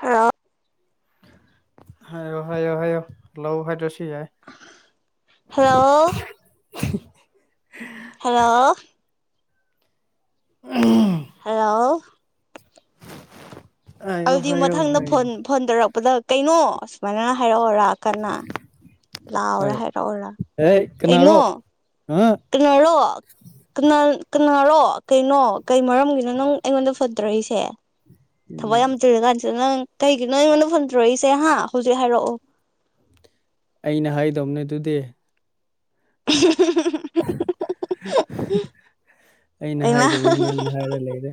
hello ꯍꯥꯏꯣ ꯍꯥꯏꯣ ꯍꯥꯏꯌꯣ ꯂꯎ ꯍꯥꯏꯗ ꯁꯤ ꯌꯥꯏ ꯍꯜꯂꯣ [inaudible] ꯍꯜꯂꯣ ꯍꯜꯂꯣ ꯍꯥꯏꯌꯣ ꯑꯗꯨꯗꯤ ꯍꯥꯏꯌꯣ ꯃꯊꯪꯗꯣꯟ ꯍꯥꯏꯌꯣ ꯐꯣꯟ ꯇꯧꯔꯛꯄꯗ ꯀꯩꯅꯣ ꯁꯨꯃꯥꯏꯅꯅ ꯍꯥꯏꯔꯛꯑꯣꯔꯥ ꯀꯅ ꯂꯥꯛꯑꯣꯔꯥ ꯍꯥꯏꯔꯛꯑꯣꯔꯥ ꯑꯦ ꯀꯅꯥꯔꯣ ꯀꯩꯅꯣ ꯑ ꯀꯩꯅꯔꯣ ꯀꯅꯥ ꯀꯅꯥꯔꯣ ꯀꯩꯅꯣ ꯀꯩ ꯃꯔꯝꯒꯤꯅꯣ ꯅꯪ ꯑꯩꯉꯣꯟꯗ ꯐꯠꯇ꯭ꯔꯏꯁꯦ ꯊꯕꯏ ꯌꯥꯝ ꯇꯒ ꯗ ꯅꯪ ꯀꯩꯒꯤꯅꯣ ꯑꯩꯉꯣꯟꯗ ꯐꯣꯟ ꯇꯣꯔꯛꯏꯁꯦ ꯍꯥ ꯍꯧꯖꯤꯛ ꯍꯥꯏꯔꯛꯑꯣ ꯑꯩꯅ ꯍꯥꯏꯗꯧꯅꯦ ꯑꯗꯨꯗꯤ ꯎ [inaudible] ꯑꯩꯅ ꯍꯥꯏꯗꯕꯤꯅ ꯅꯪꯅ ꯍꯥꯏꯔ ꯂꯩꯔꯦ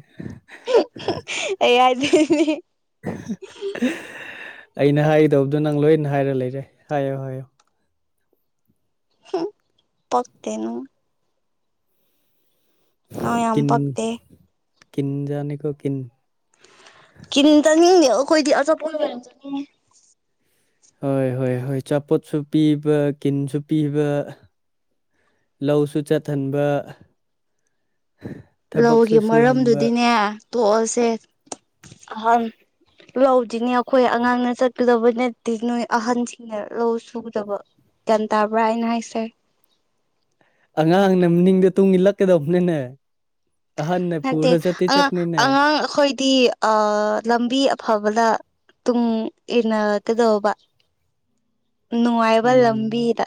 ꯐ ꯑꯩꯅ ꯍꯥꯏꯒꯗꯧꯕꯗꯣ ꯅꯪ ꯂꯣꯏꯅ ꯍꯥꯏꯔ ꯂꯩꯔꯦ ꯍꯥꯏꯌꯣ ꯍꯥꯏꯌꯣ ꯄꯈꯇꯅꯣꯡ ꯅ ꯌꯥꯝ ꯄꯇ ꯀꯤꯟꯖꯅꯤꯀꯣ ꯀꯤꯟ ꯀꯅꯤ ꯇꯅꯤ ꯀꯣꯏꯗꯤ ꯑ ꯆꯄ ꯍꯣꯏ ꯍꯣꯏ ꯍꯣꯏ ꯑꯆꯥꯄꯣꯠꯁꯨ ꯄꯤꯕ ꯀꯤꯟꯁꯨ ꯄꯤꯕ ꯂꯧꯁꯨ ꯆꯠꯊꯟꯕ ꯂꯧꯒꯤ ꯃꯔꯝꯗꯨꯗꯤꯅꯦ ꯇꯣꯛꯑꯁꯦ ꯑꯍꯟ ꯂꯧꯗꯤꯅꯦ ꯑꯩꯈꯣꯏ ꯑꯉꯥꯡꯅ ꯆꯠꯀꯗꯕ ꯅꯠꯇꯦ ꯅꯣꯏ ꯑꯍꯟꯁꯤꯡꯅ ꯂꯧ ꯁꯨꯒꯗꯕ ꯇꯦꯟ ꯇꯔ ꯄ ꯑꯥꯏꯅ ꯍꯥꯏꯁꯦ ꯑꯉꯥꯡꯅ ꯅꯤꯡꯗ ꯇꯨꯡꯒꯤꯂꯛꯀꯗꯧꯕꯅꯅꯦ ꯑꯍꯟ ꯅꯠꯇꯦ ꯑꯉꯥꯡ ꯑꯉꯥꯡ ꯑꯩꯈꯣꯏꯗꯤ ꯑ ꯂꯝꯕꯤ ꯑꯐꯕꯗ ꯇꯨꯡ ꯏꯟꯅ ꯀꯗꯣꯕ ꯅꯨꯡꯉꯥꯏꯕ ꯎꯝ ꯂꯝꯕꯤꯗ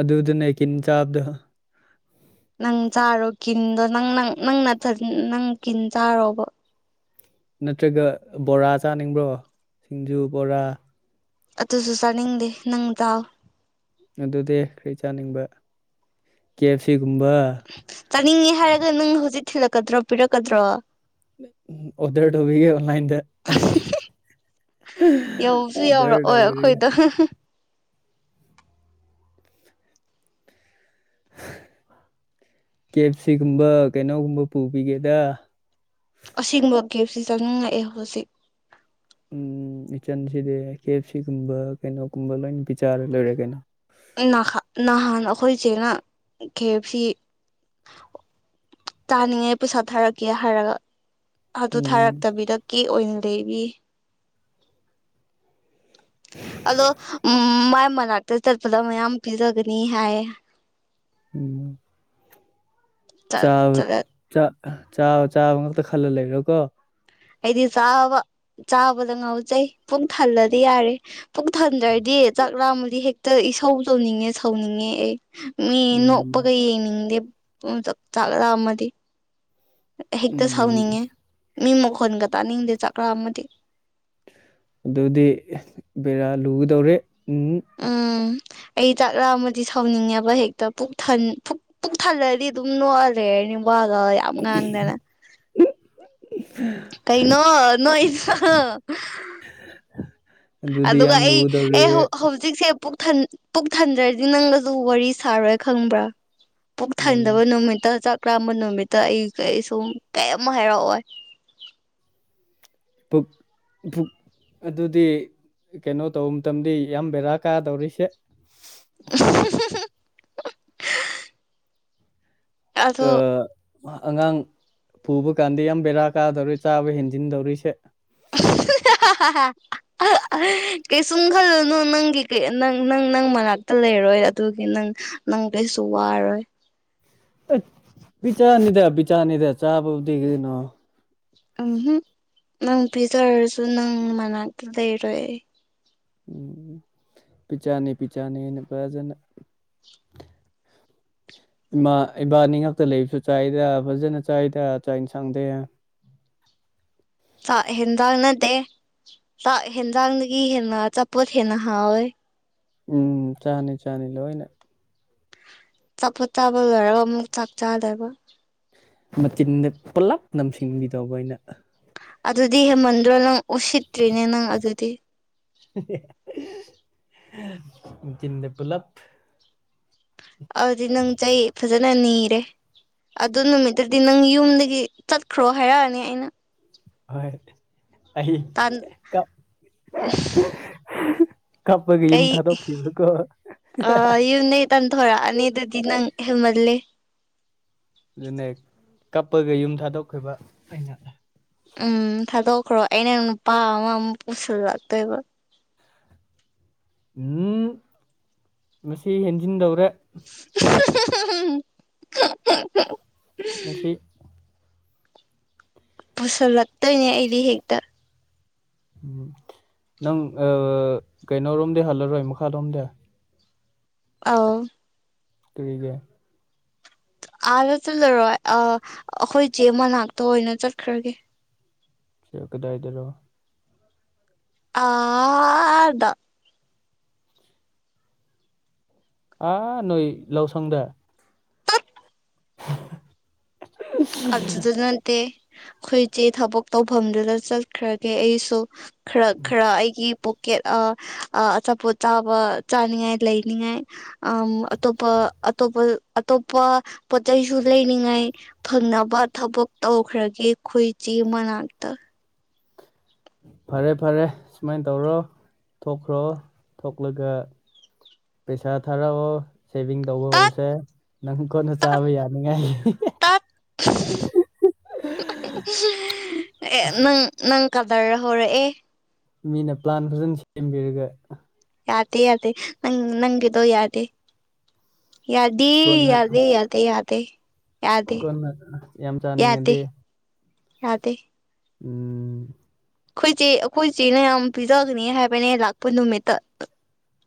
ꯑꯗꯨꯗꯨꯅꯦ ꯀꯤꯟ ꯆꯥꯕꯗ ꯅꯪ ꯆꯥꯔꯣ ꯀꯤꯟꯗꯣ ꯅꯪ ꯅ ꯅꯪ ꯅ ꯅꯪ ꯀꯤꯟ ꯆꯥꯔꯣꯕ ꯅꯠꯇ꯭ꯔꯒ ꯕꯣꯔꯥ ꯆꯥꯅꯤꯡꯕ꯭ꯔꯣ ꯁꯤꯡꯖꯨ ꯕꯣꯔꯥ ꯑꯗꯨꯁꯨ ꯆꯅꯤꯡꯗꯦ ꯅꯪ ꯇꯥꯎ ꯑꯗꯨꯗꯤ ꯀꯔꯤ ꯆꯥꯅꯤꯡꯕ ꯀꯦ ꯑꯦꯐ ꯁꯤ ꯆꯥꯅꯤꯡꯉꯦ ꯍꯥꯏꯔꯒ ꯅꯪ ꯍꯧꯖꯤꯛ ꯊꯤꯜꯂꯛꯀꯗ꯭ꯔꯣ ꯄꯤꯔꯛꯀꯗ꯭ꯔꯣ ꯑꯣꯗꯔ ꯇꯧꯕꯤꯒ ꯑꯣꯟꯂꯥꯏꯟꯗ ꯌꯧꯁꯨ ꯌꯧꯔꯛꯑꯣꯏ ꯃꯗꯦꯔꯗꯔꯒ ꯑꯩꯈꯣꯏꯗꯣ ꯀꯦ ꯑꯦꯞ ꯁꯤꯒꯨꯝꯕ ꯀꯩꯅꯣꯒꯨꯝꯕ ꯄꯨꯕꯤꯒꯦꯗ ꯑꯁꯦꯡꯕ ꯦꯞꯁꯤ ꯆꯪꯅꯤꯡꯉꯛꯑꯦ ꯍꯧꯖꯤꯛ ꯎꯝ ꯏꯆꯟꯁꯤꯗꯤ ꯀꯦ ꯑꯦꯞ ꯁꯤꯒꯨꯝꯕ ꯀꯩꯅꯣꯒꯨꯝꯕ ꯂꯣꯏꯅ ꯄꯤꯆꯥꯔ ꯂꯣꯏꯔꯦ ꯀꯩꯅꯣ ꯅꯍꯥꯟ ꯑꯩꯈꯣꯏ ꯆꯦꯅ ꯈꯦꯞꯁꯤ ꯇꯥꯅꯤꯡꯉꯦ ꯄꯩꯁꯥ ꯊꯥꯔꯛꯀꯦ ꯍꯥꯏꯔꯒ ꯑꯗꯨ ꯎꯝ ꯊꯥꯔꯛꯇꯕꯤꯗ ꯀꯦ ꯑꯣꯏꯅ ꯂꯩꯔꯤ ꯑꯗꯣ ꯎꯝ ꯃꯥꯏ ꯃꯅꯥꯛꯇ ꯆꯠꯄꯗ ꯃꯌꯥꯝ ꯄꯤꯖꯒꯅꯤ ꯍꯥꯏ ꯎꯝ ꯕ ꯆꯥꯕ ꯆꯥꯕꯥ ꯉꯥꯛꯇ ꯈꯜꯂ ꯂꯩꯔꯣꯀꯣ ꯑꯩꯗꯤ ꯆꯥꯕ ꯆꯥꯕꯗ ꯉꯥꯎꯖꯩ ꯄꯨꯛ ꯊꯜꯂꯗꯤ ꯌꯥꯔꯦ ꯄꯨꯛ ꯊꯟꯗ꯭ꯔꯗꯤ ꯑꯦ ꯆꯥꯛꯔꯥ ꯑꯃꯗꯤ ꯍꯦꯛꯇ ꯏꯁꯧ ꯇꯧꯅꯤꯡꯉꯦ ꯁꯧꯅꯤꯡꯉꯦ ꯑꯩ ꯃꯤ ꯎꯝ ꯅꯣꯛꯄꯒ ꯌꯦꯡꯅꯤꯡꯗꯦ ꯄ ꯆꯥꯛ ꯆꯥꯛꯗ ꯑꯃꯗꯤ ꯍꯦꯛꯇ ꯎꯝ ꯁꯥꯎꯅꯤꯡꯉꯦ ꯃꯤ ꯃꯈꯣꯟꯒ ꯇꯥꯅꯤꯡꯗꯦ ꯆꯀ꯭ꯔꯥ ꯑꯃꯗꯤ ꯑꯗꯨꯗꯤ ꯕꯦꯔꯥ ꯂꯨꯒꯗꯧꯔꯦ ꯎꯝ ꯎꯝ ꯑꯩ ꯆꯥꯛꯂꯥ ꯑꯃꯗꯤ ꯁꯥꯎꯅꯤꯡꯉꯦꯕ ꯍꯦꯛꯇ ꯄꯨꯛ ꯊꯜꯂꯗꯤ ꯑꯗꯨꯝ ꯅꯣꯛꯑꯜꯂꯦꯔꯅꯤ ꯌꯥꯝ ꯉꯥꯡꯗꯅ ꯀꯩꯅꯣ ꯅꯣꯏ ꯑꯗꯨꯗꯤ ꯑꯗꯨꯒ ꯌꯥꯝ ꯑꯩ ꯑꯦ ꯂꯨꯒꯗꯧꯔꯦ ꯍꯧꯖꯤꯛꯁꯦ ꯄꯨꯛ ꯊꯟꯗ꯭ꯔꯗꯤ ꯅꯪꯒꯁꯨ ꯋꯥꯔꯤ ꯁꯥꯔꯣꯏ ꯈꯪꯕ꯭ꯔꯥ ꯄꯨꯛ ꯎꯝ ꯊꯥꯏꯟꯗꯕ ꯅꯨꯃꯤꯠꯇ ꯆꯥꯛ ꯄ꯭ꯔꯥꯝꯕ ꯅꯨꯃꯤꯠꯇ ꯑꯩ ꯀ ꯁꯨꯝ ꯀꯩꯝ ꯍꯥꯏꯔꯥꯎꯑꯣꯏ ꯄ ꯛ ꯑꯗꯨꯗꯤ ꯀꯩꯅꯣ ꯇꯧꯕ ꯃꯇꯝꯗꯤ ꯌꯥꯝ ꯕꯦꯔꯥ ꯀꯥꯗꯧꯔꯤꯁꯦ [inaudible] ꯑꯗꯣ ꯑ ꯑꯉꯥꯡ ꯄꯨꯕ ꯀꯥꯟꯗ ꯌꯥꯝ ꯕꯦꯔꯥ ꯀꯥꯗꯧꯔꯤ ꯆꯥꯕ ꯍꯦꯟꯖꯤꯟꯗꯧꯔꯤꯁꯦ [inaudible] ꯀꯩꯁꯨꯝ ꯈꯜꯂꯨꯅꯨ ꯅꯪꯒꯤ ꯅꯪ ꯅꯪ ꯃꯅꯥꯛꯇ ꯂꯩꯔꯣꯏ ꯑꯗꯨꯒꯤ ꯅꯪ ꯅꯪ ꯀꯩꯁꯨ ꯋꯥꯔꯣꯏ ꯕꯤꯆꯥꯅꯤꯗꯕꯤꯆꯥꯅꯤꯗ ꯆꯥꯕꯕꯨꯗꯤ ꯀꯅꯣ ꯎꯝ ꯅꯪ ꯄꯤꯖꯔꯁꯨ ꯅꯪ ꯃꯅꯥꯛꯇ ꯂꯩꯔꯣꯏ ꯎꯝ ꯄꯤꯆꯥꯅꯤ ꯄꯤꯆꯥꯅꯤꯅ ꯐꯖꯅ ꯏꯃꯥ ꯏꯕꯥꯅꯤ ꯉꯥꯛꯇ ꯂꯩꯕꯁꯨ ꯆꯥꯏꯗ ꯐꯖꯅ ꯆꯥꯏꯗ ꯆꯥꯛ ꯏꯟꯁꯥꯡꯗꯦ ꯑꯦꯅꯗꯦ ꯥꯛ ꯍꯦꯟꯖꯥꯡꯗꯒꯤ ꯍꯦꯟꯅ ꯑꯆꯥꯄꯣꯠ ꯍꯦꯟꯅ ꯍꯥꯎꯋꯦ ꯎꯝ ꯆꯥꯅꯤ ꯆꯥꯅꯤ ꯂꯣꯏꯅꯦ ꯆꯥꯄꯠ ꯆꯥꯕ ꯂꯣꯏꯔꯒ ꯑꯃꯨꯛ ꯆꯥꯛ ꯆꯥꯗꯕ ꯃꯆꯤꯟꯗ ꯄꯨꯂꯞ ꯅꯝꯁꯤꯟꯕꯤꯗꯧꯕ ꯑꯩꯅ ꯑꯗꯨꯗꯤ ꯍꯦꯃꯟꯗ꯭ꯔꯣ ꯅꯪ ꯎꯁꯤꯠꯇ꯭ꯔꯤꯅꯦ ꯅꯪ ꯑꯗꯨꯗꯤ ꯀꯅꯦ ꯄꯨꯂꯞ ꯑꯗꯨꯗꯤ ꯅꯪꯖ ꯐꯖ ꯅ ꯅꯤꯔꯦ ꯑꯗꯨ ꯅꯨꯃꯤꯠꯇꯗꯤ ꯅꯪ ꯌꯨꯝꯗꯒꯤ ꯆꯠꯈ꯭ꯔꯣ ꯍꯥꯏꯔꯛꯑꯅꯤ ꯑꯩꯅ ꯍꯣꯏ ꯑꯩ ꯇꯥꯟ ꯀ [inaudible] ꯍꯥꯞꯄꯒ ꯌꯨꯝ ꯊꯥꯗꯣꯛꯈꯤꯕꯀꯣ ꯑ ꯏ ꯅꯩ ꯇꯣꯔ ꯑꯅꯩ ꯑꯗꯨꯗꯤ ꯅꯪ ꯍꯃꯜꯦ ꯑꯗꯨꯅꯦ ꯀꯞꯄꯒ ꯌꯨꯝ ꯊꯥꯗꯣꯛꯈꯈꯤꯕ ꯑꯩꯅ ꯎꯝ ꯊꯥꯗꯣꯛꯈ꯭ꯔꯣ ꯑꯩꯅ ꯅꯨꯄꯥ ꯑꯃꯃꯨꯛ ꯄꯨꯁꯤꯜꯂꯛꯇꯣꯏꯕ ꯎꯝ ꯃꯁꯤ ꯍꯦꯟꯖꯤꯟꯗꯧꯔꯦ ꯃꯁꯤ ꯄꯨꯁꯤꯜꯂꯛꯇꯣꯏꯅꯦ ꯑꯩꯗꯤ ꯍꯦꯛꯇ ꯎꯝ ꯅꯪ ꯀꯩꯅꯣꯔꯣꯝꯗꯤ ꯍꯜꯂꯔꯣꯏ ꯃꯈꯥꯜꯂꯣꯝꯗ ꯑꯥꯎ [inaudible] ꯊꯒꯦ ꯑꯥꯗ ꯆꯠꯂꯔꯣꯏ ꯑꯩꯈꯣꯏꯁꯦ ꯃꯅꯥꯛꯇ ꯑꯣꯏꯅ ꯆꯠꯈ꯭ꯔꯒꯦ ꯆ ꯀꯗꯥ ꯏꯗꯔꯣ ꯑꯗ ꯑꯥ ꯅꯣꯏ ꯂꯧꯁꯪꯗ ꯇꯠ [unintelligible] [inaudible] ꯑꯐꯖꯗ ꯅꯦ ꯑꯩꯈꯣꯏꯆꯦ ꯊꯕꯛ ꯇꯧꯐꯝꯗꯨꯗ ꯆꯠꯈ꯭ꯔꯒꯦ ꯑꯩꯁꯨ ꯈꯔ ꯈꯔ ꯑꯩꯒꯤ ꯄꯀꯦ ꯑꯆꯥꯄꯣꯠ ꯆꯥꯕ ꯆꯥꯅꯤꯡꯉꯥꯏ ꯂꯩꯅꯤꯡꯉꯥꯏ ꯑ ꯑꯇꯣꯞꯄ ꯑꯇꯣꯞꯄ ꯑꯇꯣꯞꯄ ꯄꯣꯠ ꯆꯩꯁꯨ ꯂꯩꯅꯤꯡꯉꯥꯏ ꯐꯪꯅꯕ ꯊꯕꯛ ꯇꯧꯈ꯭ꯔꯒꯦ ꯈꯣꯏꯆꯤ ꯃꯅꯥꯛꯇ ꯐꯔꯦ ꯐꯔꯦ ꯁꯨꯃꯥꯏꯅ ꯇꯧꯔꯣ ꯊꯣꯛꯈ꯭ꯔꯣ ꯊꯣꯛꯂꯒ ꯄꯦꯁꯥ ꯊꯔ ꯑꯣ ꯁꯦꯚꯤꯡ ꯇꯧꯕ ꯇꯠ ꯍꯧꯔꯁꯦ ꯅꯪ ꯀꯣꯟꯅ ꯇꯠ ꯆꯥꯕ ꯌꯥꯅꯤꯡꯉꯥꯏ ꯇꯠ ꯑꯦ ꯅꯪ ꯅꯪ ꯀꯗꯔ ꯍꯧꯔꯛꯑꯦ ꯃꯤꯅ ꯄ꯭ꯂꯥꯟ ꯐꯖꯅ ꯁꯦꯝꯕꯤꯔꯒ ꯌꯥꯗꯦ ꯌꯥꯗꯦ ꯅꯪ ꯅꯪꯒꯤꯗꯣ ꯌꯥꯗꯦ ꯌꯥꯗ ꯌꯥꯗꯦ ꯌꯥꯗꯦ ꯌꯥꯗꯦ ꯌꯥꯗꯦ ꯀꯅ ꯌꯥꯝ ꯌꯥꯗꯦ ꯆꯥꯅꯤꯡꯉꯗꯤ ꯌꯥꯗꯦ ꯎꯝ [inaudible] ꯑꯩꯈꯣꯏꯆꯦ ꯑꯩꯈꯣꯏꯆꯦꯅꯌꯥꯝ ꯄꯤꯖꯒꯅꯤ ꯍꯥꯏꯕꯅꯦ ꯂꯥꯛꯄ ꯅꯨꯃꯤꯠꯇ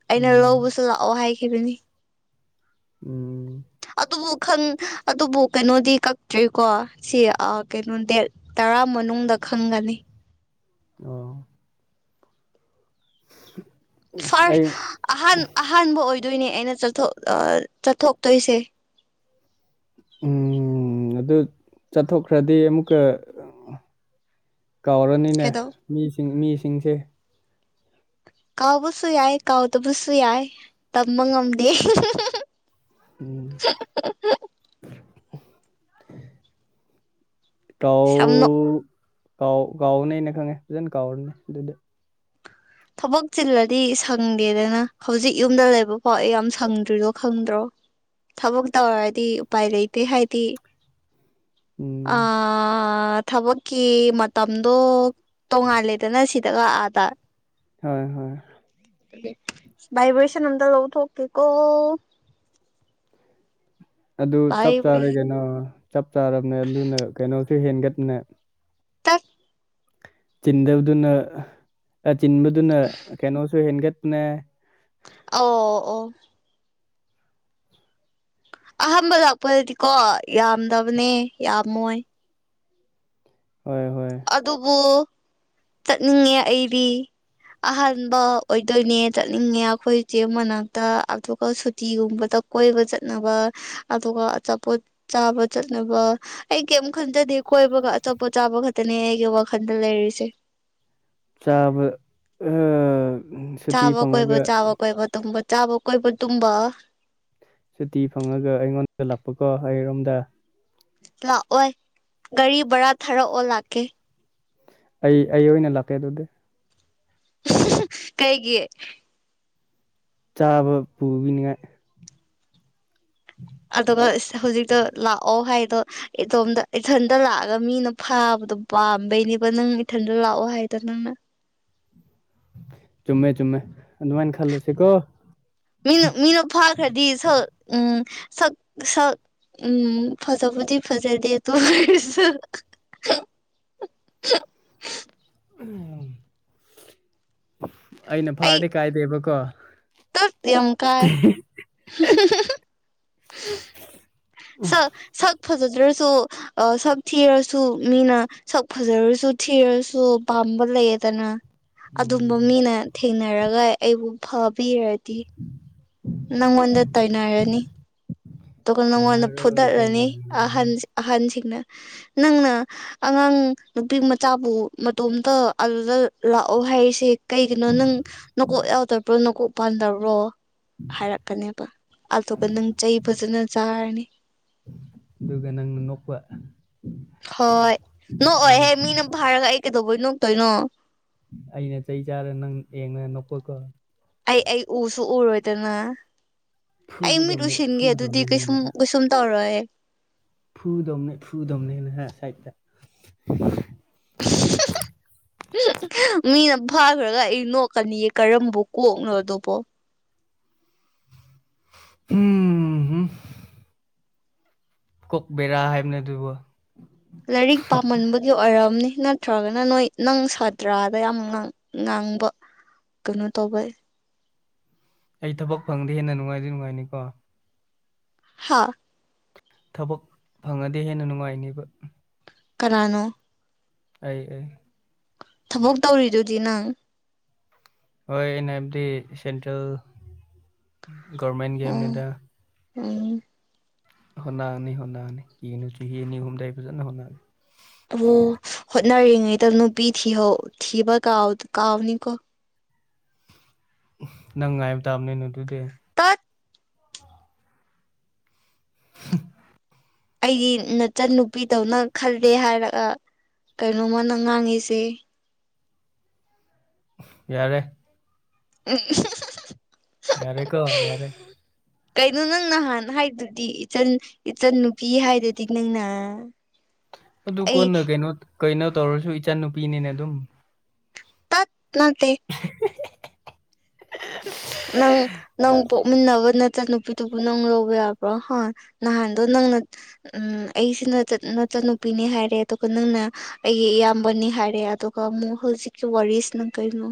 ꯑꯩꯅ ꯎꯝ ꯂꯧꯕꯁꯨ ꯂꯥꯛꯑꯣ ꯍꯥꯏꯈꯤꯕꯗꯨꯅꯤ ꯎꯝ ꯑꯗꯨꯕꯨ ꯑꯗꯨꯕꯨ ꯀꯩꯅꯣꯗꯤ ꯀꯛꯇ꯭ꯔꯤꯀꯣ ꯁꯤ ꯀꯩꯅꯣ ꯗꯦꯠ ꯇꯔꯥ ꯃꯅꯨꯡꯗ ꯎꯗ ꯈꯪꯒꯅꯤ ꯑꯣ [inaudible] [unintelligible] [inaudible] ꯑꯩ ꯐꯥꯔ ꯑꯍ ꯑꯍꯥꯟꯕ ꯑꯣꯏ ꯑꯗꯨꯏꯅꯦ ꯑꯩꯅ ꯆꯠꯊ ꯆꯠꯊꯣꯛꯇꯣꯏꯁꯦ ꯎꯝ ꯑꯗꯨ ꯆꯠꯊꯣꯛꯈ꯭ꯔꯗꯤ ꯑꯃꯨꯛꯀ ꯀꯥꯎꯔꯅꯤꯅꯦ ꯀꯩꯗꯧ ꯃꯤꯁꯤꯡ ꯃꯤꯁꯤꯡꯁꯦ ꯀꯥꯎꯕꯁꯨ ꯌꯥꯏ ꯀꯥꯎꯗꯕꯁꯨ ꯌꯥꯏ ꯇꯝꯕ ꯉꯝꯗꯦ ꯎꯝ [inaudible] [unintelligible] ꯀꯥꯎ ꯌꯥꯝ ꯅꯣꯛ ꯀꯥꯎ ꯀꯥꯎꯅꯦ ꯑꯩꯅ ꯈꯪꯉꯦ ꯐꯖꯅ ꯀꯥꯎꯔꯅꯦ ꯑꯗꯨꯗ ꯊꯕꯛ ꯆꯤꯜꯂꯗꯤ ꯁꯪꯗꯦꯗꯅ ꯍꯧꯖꯤꯛ ꯌꯨꯝꯗ ꯂꯩꯕ ꯐꯥꯎ ꯑꯩ ꯌꯥꯝ ꯁꯪꯗ꯭ꯔꯤꯗꯣ ꯈꯪꯗ꯭ꯔꯣ ꯊꯕꯛ ꯇꯧꯔꯗꯤ ꯎꯄꯥꯏ ꯂꯩꯇꯦ ꯍꯥꯏꯗꯤ ꯎꯝ ꯑ ꯊꯕꯛꯀꯤ ꯃꯇꯝꯗꯣ ꯇꯣꯡꯉꯥꯜꯂꯦꯗꯅ ꯁꯤꯗ ꯑꯗ ꯍꯣꯏ ꯍꯣꯏ ꯚꯥꯏꯕ꯭ꯔꯦꯁꯟ ꯑꯝꯇ ꯂꯧꯊꯣꯛꯀꯦꯀꯣ ꯑꯗꯨ ꯆꯞ ꯚꯥꯏꯕ꯭ꯔꯦ ꯆꯥꯔꯦ ꯀꯩꯅꯣ ꯆꯞ ꯆꯥꯔꯕꯅꯦ ꯑꯗꯨꯅ ꯀꯩꯅꯣꯁꯨ ꯍꯦꯟꯒꯠꯅꯦ ꯇꯞ ꯆꯤꯟꯗꯕꯗꯨꯅ ꯆꯤꯟꯕꯗꯨꯅ ꯀꯩꯅꯣꯁꯨ ꯍꯦꯟꯒꯠꯄꯅꯦ ꯑꯣ ꯑꯣ ꯑꯍꯥꯟꯕ ꯂꯥꯛꯄꯗꯗꯤꯀꯣ ꯌꯥꯝꯗꯕꯅꯦ ꯌꯥꯝꯃꯣꯏ ꯍꯣꯏ ꯍꯣꯏ ꯑꯗꯨꯕꯨ ꯆꯠꯅꯤꯡꯉꯦ ꯑꯩꯗꯤ ꯑꯍꯥꯟꯕ ꯑꯣꯏꯗꯣꯏꯅꯦ ꯆꯠꯅꯤꯡꯉꯦ ꯑꯩꯈꯣꯏ ꯏꯁꯦ ꯃꯅꯥꯛꯇ ꯑꯗꯨꯒ ꯁꯨꯇꯤꯒꯨꯝꯕ ꯇꯧ ꯀꯣꯏꯕ ꯆꯠꯅꯕ ꯑꯗꯨꯒ ꯑꯆꯥꯄꯣꯠ ꯆꯥꯕ ꯆꯠꯅꯕ ꯑꯩ ꯀꯩꯝ ꯈꯟꯖꯗꯦ ꯀꯣꯏꯕꯒ ꯑꯆꯣꯄ ꯑ ꯆꯥꯕ ꯈꯛꯇꯅꯦ ꯑꯩꯒꯤ ꯋꯥꯈꯜꯗ ꯂꯩꯔꯤꯁꯦ ꯆꯥꯕ ꯑ ꯁꯨꯇꯤ ꯆꯥꯕ ꯀꯣꯏꯕ ꯐꯪꯉꯒ ꯆꯥꯕ ꯀꯣꯏꯕ ꯇꯨꯝꯕ ꯆꯥꯕ ꯀꯣꯏꯕ ꯇꯨꯝꯕ ꯁꯨꯇꯤ ꯐꯪꯉꯒ ꯑꯩꯉꯣꯟꯗ ꯂꯥꯛꯄꯀꯣ ꯑꯩꯔꯣꯝꯗ ꯂꯥꯛꯑꯣ ꯒꯥꯔꯤ ꯕꯔꯥ ꯊꯥꯔꯛꯑꯣ ꯂꯥꯛꯀꯦ ꯑꯩ ꯑꯩ ꯑꯣꯏꯅ ꯂꯥꯛꯀꯦ ꯑꯗꯨꯗꯤ ꯀꯩꯒꯤꯌꯦ ꯆꯥꯕ ꯄꯨꯕꯤꯅꯤꯉꯥꯏ ꯑꯗꯨꯒ ꯍꯧꯖꯤꯛꯇꯣ ꯂꯥꯛꯑꯣ ꯍꯥꯏꯗꯣ ꯏꯣꯝꯗ ꯏꯊꯟꯗ ꯂꯥꯛꯑꯒ ꯃꯤꯅ ꯐꯥꯕ ꯑꯗꯨꯝ ꯄꯥꯝꯕꯩꯅꯦꯕ ꯅꯪ ꯏꯊꯟꯗ ꯂꯥꯛꯑꯣ ꯍꯥꯏꯗ ꯅꯪꯅ ꯆꯨꯝꯃꯦ ꯆꯨꯝꯃꯦ ꯑꯗꯨꯃꯥꯏꯅ ꯈꯜꯂꯁꯤꯀꯣ ꯃꯤꯅ ꯃꯤꯅꯣ ꯐꯥꯈ꯭ꯔꯗꯤ ꯁꯣ ꯎꯝ ꯁꯛ ꯁꯛ ꯎꯝ ꯐꯖꯕꯨꯗꯤ ꯐꯖꯗꯦ ꯇ [inaudible] ꯎ ꯑꯩꯅ ꯐꯥꯔꯗꯤ ꯀꯥꯏꯗꯦꯕꯀꯣ ꯇꯗꯤ ꯑꯦꯝ ꯀꯥꯏ ꯁ ꯁ ꯐꯖꯗ꯭ꯔꯁꯨ ꯁꯛ ꯊꯤꯔꯁꯨ ꯃꯤꯅ ꯁꯛ ꯐꯖꯔꯁꯨ ꯊꯤꯔꯁꯨ ꯁꯝꯕꯜꯂ ꯌꯦꯗꯅ ꯎꯝ ꯑꯗꯨꯝꯕ ꯃꯤꯅ ꯊꯦꯡꯅꯔꯒ ꯑꯩꯕꯨ ꯐꯥꯕꯤꯔꯗꯤ ꯅꯪ ꯃꯗ ꯇꯥꯏꯅ ꯍꯥꯏꯅꯤ ꯑꯗꯨꯒ ꯅꯪꯉꯣꯟꯗ ꯇꯥꯏꯅꯔꯣ ꯐꯨꯗꯠꯂꯅꯤ ꯇꯥꯏꯅꯔꯣ ꯑꯍꯟ ꯑꯍꯟꯁꯤꯡꯅ ꯅꯪꯅ ꯑꯉꯥꯡ ꯅꯨꯄꯤ ꯃꯆꯥꯕꯨ ꯃꯇꯣꯝꯇ ꯑꯗꯨꯗ ꯂꯥꯛꯑꯣ ꯍꯥꯏꯩꯁꯦ ꯀꯩꯒꯤꯅꯣ ꯅꯪ ꯅꯀꯣꯛ ꯌꯥꯎꯗꯕ꯭ꯔꯣ ꯅꯀꯣꯛ ꯄꯥꯟꯗꯕ꯭ꯔꯣ ꯍꯥꯏꯔꯛꯀꯅꯦꯕ ꯑꯥꯊꯄ ꯅꯪ ꯐꯖꯅ ꯆꯥꯔꯅꯤ ꯑꯗꯨꯒ ꯅꯪꯅ ꯅꯣꯛꯄꯋꯥ ꯍꯣꯏ ꯅꯣꯛꯑꯣꯏꯍꯦ ꯃꯤꯅ ꯐꯥꯔꯒ ꯑꯩ ꯀꯩꯗꯧꯕꯩ ꯅꯣꯛꯇꯣꯏꯅꯣ ꯑꯩꯅ ꯆꯩ ꯆꯥꯔ ꯅꯪ ꯌꯦꯡꯉ ꯅꯣꯛꯄꯀꯣ ꯑꯩ ꯑꯩ ꯎꯁꯨ ꯎꯔꯣꯏꯗꯅ ꯑꯩ ꯃꯤꯠ ꯐꯨꯒꯗꯕꯅꯦ ꯎꯁꯤꯟꯒꯦ ꯑꯗꯨꯗꯤ ꯐꯨꯗꯕꯅꯦ ꯀꯩꯁꯨꯝ ꯀꯩꯁꯨꯝ ꯇꯧꯔꯣꯏ ꯐꯨꯗꯝꯅꯦ ꯐꯨꯗꯝꯅꯦꯅ ꯍ ꯁꯥꯏ [inaudible] ꯃꯤꯅ ꯐꯥꯈ꯭ꯔꯒ ꯑꯩ ꯅꯣꯛꯀꯅꯤꯌꯦ ꯀꯔꯝꯕ ꯀꯣꯛꯅꯣ ꯑꯗꯨꯕꯣ ꯎꯝ ꯀꯣꯛ ꯕꯔ ꯍꯥꯏꯦꯕꯅꯦ ꯊꯣꯏꯔꯤꯕ ꯂꯥꯏꯔꯤꯛ ꯄꯥꯝꯃꯟꯕꯒꯤ ꯑꯣꯏꯔꯝꯅꯤ ꯁꯤ ꯅꯠꯇ꯭ꯔꯒꯅ ꯅꯣꯏ ꯅꯪ ꯁꯥꯇ꯭ꯔꯥꯗ ꯌꯥꯝ ꯉꯥꯡꯕ ꯀꯩꯅꯣ ꯇꯧꯕ ꯑꯩ ꯊꯕꯛ ꯐꯪꯗꯤꯦ ꯍꯦꯟꯅ ꯅꯨꯡꯉꯥꯏꯗꯤ ꯅꯨꯡꯉꯥꯏꯅꯤꯀꯣ ꯍꯥꯥ ꯊꯕꯛ ꯐꯪꯉꯗꯤ ꯍꯦꯟꯅ ꯅꯨꯡꯉꯥꯏꯅꯤꯕ ꯀꯅꯥꯅꯣ ꯑꯩ ꯑꯣꯏ ꯊꯕꯛ ꯇꯧꯔꯤꯗꯨꯗꯤ ꯅꯪ ꯍꯣꯏ ꯑꯩꯅꯕꯗꯤ ꯁꯦꯟꯇ꯭ꯔꯦꯜ ꯒꯣꯚꯦꯔꯃꯦꯟꯠ ꯀꯤ ꯍꯥꯏꯅꯤꯗ ꯑ ꯍꯅꯥꯅꯤ ꯍꯣꯅꯥꯅꯤ ꯀꯅ ꯆꯍꯤꯅꯤ ꯍꯨꯝꯗꯥꯏ ꯐꯖꯅ ꯍꯒ [unintelligible] ꯔꯤꯉꯩꯗ ꯅꯨꯄꯤ ꯊꯤꯍꯧ ꯊꯤꯕ ꯀꯥꯎ ꯀꯥꯎꯅꯤꯀꯣ ꯅꯪ ꯉꯥꯏꯕ ꯇꯥꯕꯅꯤ ꯅꯦ ꯑꯗꯨꯗꯤ ꯇꯠ ꯍꯝ ꯑꯩꯗꯤ ꯅꯆꯟꯟꯅ ꯅꯨꯄꯤꯗꯧꯅ ꯈꯜꯂꯦ ꯍꯥꯏꯔꯒ ꯀꯩꯅꯣꯃ ꯃꯅꯥ ꯉꯥꯡꯉꯤꯁꯦ ꯌꯥꯔꯦ ꯎꯝ ꯌꯥꯔꯦ ꯀꯣ ꯌꯥꯔꯦ ꯀꯩꯅꯣ ꯅꯪ ꯅꯍꯥꯟ ꯍꯥꯏꯗꯨꯗꯤ ꯏꯆꯟ-ꯏꯆꯟ ꯅꯨꯄꯤ ꯍꯥꯏꯔꯤꯗꯨꯗꯤ ꯅꯪꯅ [inaudible] ꯑꯗꯨ ꯑꯩ ꯀꯣꯟꯅ ꯀꯩꯅꯣ-ꯀꯩꯅꯣ ꯇꯧꯔꯁꯨ ꯏꯆꯟꯅꯨꯨꯄꯤꯅꯤꯅ ꯑꯗꯨꯝ ꯇꯠ ꯅꯠꯇ [inaudible] ꯅꯪ-ꯅꯪ ꯄꯣꯛꯃꯤꯟꯅꯕ ꯅꯆꯟ ꯅꯨꯄꯤꯗꯨꯕꯨ ꯅꯪ ꯂꯧꯕ ꯌꯥꯕ꯭ꯔꯣ ꯍꯥ ꯅꯍꯥꯟꯗꯣ ꯅꯪ ꯅ ꯎ ꯑꯩꯁꯤꯅ ꯅꯆꯟ ꯅꯨꯄꯤꯅꯤ ꯍꯥꯏꯔꯦ ꯑꯗꯨꯒ ꯅꯪꯅ ꯑꯩꯒꯤ ꯏꯌꯥꯝꯕꯅꯤ ꯍꯥꯏ ꯍꯥꯏꯔꯦ ꯑꯗꯨꯒ ꯑꯃꯨꯛ ꯍꯧꯖꯤꯛꯀꯤ ꯋꯥꯔꯤꯁꯤꯅ ꯀꯩꯅꯣ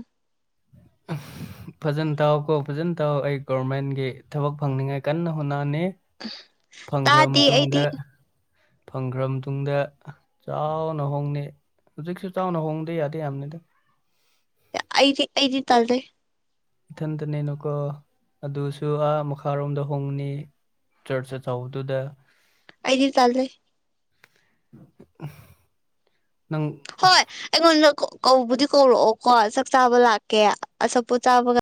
ꯐꯖꯅ ꯇꯥꯎ ꯀꯣ ꯐꯖꯅ ꯇꯥꯎ ꯑꯩ ꯒꯣꯕꯔꯃꯦꯟꯒꯤ ꯊꯕꯛ ꯐꯪꯅꯤꯡꯉꯥꯏ ꯀꯟꯅ ꯍꯣꯠꯅꯅꯤ ꯐꯪꯈ꯭ꯔꯕ ꯇꯥꯗꯦ ꯑꯩꯗꯤ ꯃꯇꯨꯡꯗ ꯐꯪꯈ꯭ꯔ ꯃꯇꯨꯡꯗ ꯆꯥꯎꯅ ꯍꯣꯡꯅꯤ ꯍꯧꯖꯤꯛꯁꯨ ꯆꯥꯎꯅ ꯍꯣꯡꯕꯁꯨ ꯌꯥꯗꯤ ꯌꯥꯝꯕꯅꯤ ꯑꯩꯗꯤ ꯑꯩꯗꯤ ꯇꯟꯂꯦ ꯏꯊꯟꯇꯅꯤꯅꯀꯣ ꯑꯗꯨꯁꯨ ꯑꯥ ꯃꯈꯥꯔꯣꯝꯗ ꯍꯣꯡꯅꯤ ꯆꯔꯁ ꯆꯧꯗꯗ ꯑꯩꯗꯤ ꯇꯜꯂꯦ [inaudible] ꯍꯣꯌ ꯑꯩꯒꯣꯟꯗ ꯀꯧꯕꯨꯗꯤ ꯀꯧꯔꯛꯑꯣꯀꯣ ꯆꯥꯛ ꯆꯥꯕ ꯂꯥꯛꯀꯦ ꯑꯆꯥꯄꯣꯠ ꯆꯥꯕꯒ